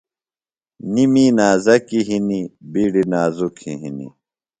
نیۡ می نازکیۡ ہِنیۡ بِیڈیۡ نازُک ہِنیۡ